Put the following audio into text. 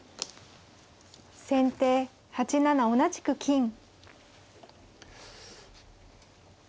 先手８七同じく金。